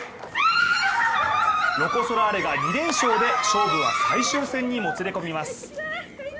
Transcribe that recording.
ロコ・ソラーレが２連勝で勝負は最終戦にもつれ込みます。